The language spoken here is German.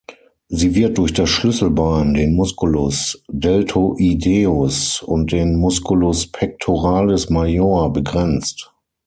Sie wird durch das Schlüsselbein, den Musculus deltoideus und den Musculus pectoralis major begrenzt.